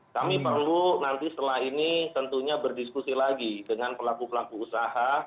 kami perlu nanti setelah ini tentunya berdiskusi lagi dengan pelaku pelaku usaha